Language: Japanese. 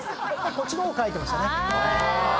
こっちの「應」書いてました。